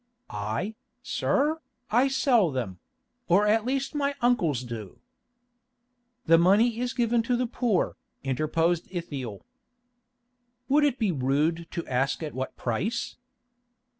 "I, sir? I sell them; or at least my uncles do." "The money is given to the poor," interposed Ithiel. "Would it be rude to ask at what price?"